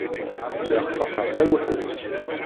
Lliɣ faqeɣ d aweḥdi.